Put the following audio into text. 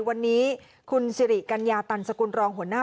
วันนี้คุณสิริกัญญาตันสกุลรองหัวหน้า